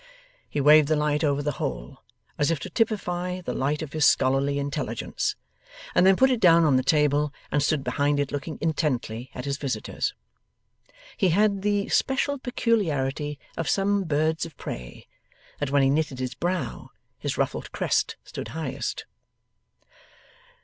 He waved the light over the whole, as if to typify the light of his scholarly intelligence, and then put it down on the table and stood behind it looking intently at his visitors. He had the special peculiarity of some birds of prey, that when he knitted his brow, his ruffled crest stood highest.